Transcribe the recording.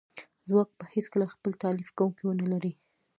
ځواک به هیڅکله خپل تالیف کونکی ونه لري